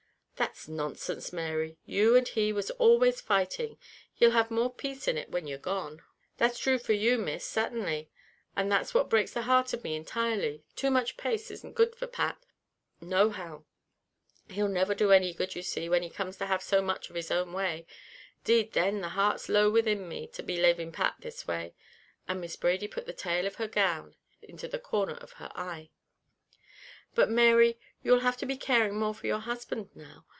"That's nonsense, Mary you and he was always fighting; he'll have more peace in it when you're gone." "That's thrue for you, Miss, sartanly, and that's what breaks the heart of me intirely. Too much pace isn't good for Pat, no how; he'll never do no good, you'll see, when he comes to have so much of his own way. 'Deed then, the heart's low within me, to be laving Pat this way!" And Miss Brady put the tail of her gown into the corner of her eye. "But Mary, you'll have to be caring more for your husband now.